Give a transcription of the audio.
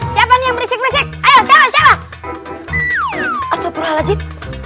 siapa nih berisik berisik ayo siapa siapa astagfirullahaladzim